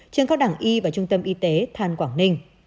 trường cao đảng y và trung tâm y tế thàn quảng ninh